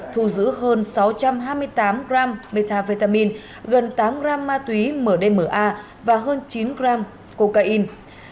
thu giữ hơn sáu trăm hai mươi tám gram metavitamin gần tám gram ma túy mdma và hơn chín gram cocaine